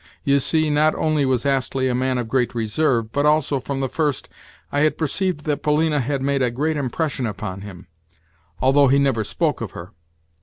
You see, not only was Astley a man of great reserve, but also from the first I had perceived that Polina had made a great impression upon him, although he never spoke of her.